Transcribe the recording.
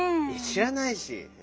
しらないし。